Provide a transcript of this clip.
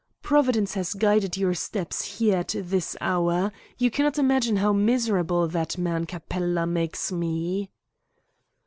"Providence has guided your steps here at this hour. You cannot imagine how miserable that man Capella makes me."